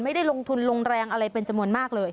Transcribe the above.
ไม่ได้ลงทุนลงแรงอะไรเป็นจำนวนมากเลย